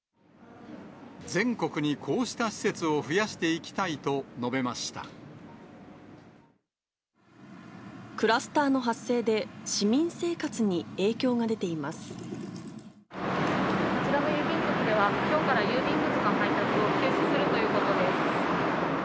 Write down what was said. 全国にこうした施設を増やしクラスターの発生で、市民生こちらの郵便局では、きょうから郵便物の配達を休止するということです。